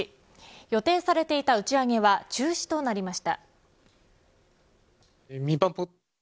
予定されていた打ち上げは中止となりました。